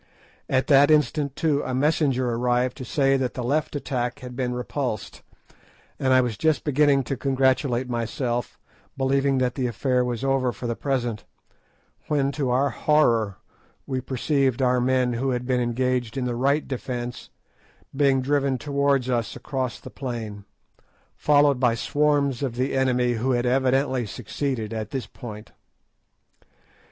At that instant, too, a messenger arrived to say that the left attack had been repulsed; and I was just beginning to congratulate myself, believing that the affair was over for the present, when, to our horror, we perceived our men who had been engaged in the right defence being driven towards us across the plain, followed by swarms of the enemy, who had evidently succeeded at this point.